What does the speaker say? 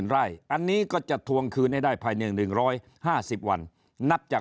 ไร่อันนี้ก็จะทวงคืนให้ได้ภายใน๑๕๐วันนับจาก